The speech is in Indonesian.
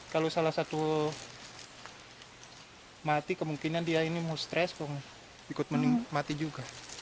kalau salah satu mati kemungkinan dia ini mau stres ikut menikmati juga